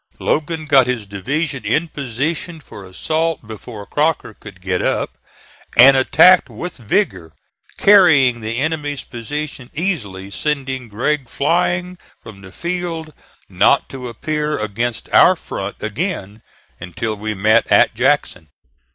Logan got his division in position for assault before Crocker could get up, and attacked with vigor, carrying the enemy's position easily, sending Gregg flying from the field not to appear against our front again until we met at Jackson.